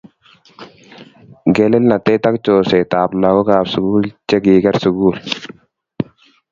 ngelelnotet ak chorset ak lagokab sukul che kiker sukul